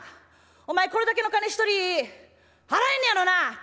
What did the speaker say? お前これだけの金一人払えんねやろな！？」。